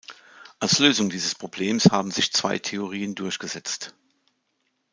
Als Lösung dieses Problems haben sich zwei Theorien durchgesetzt.